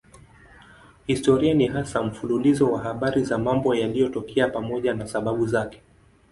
Historia ni hasa mfululizo wa habari za mambo yaliyotokea pamoja na sababu zake.